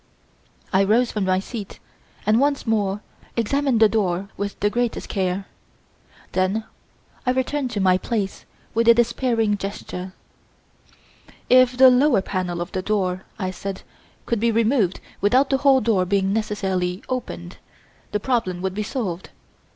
I rose from my seat and once more examined the door with the greatest care. Then I returned to my place with a despairing gesture. "If the lower panel of the door," I said, "could be removed without the whole door being necessarily opened, the problem would be solved.